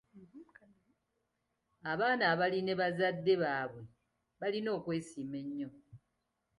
Abaana abali me bazadde baabwe balina okwesiima ennyo.